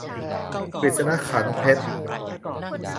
กฤษณะ ขรรค์เพชร